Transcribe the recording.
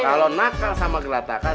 kalau nakal sama geratakan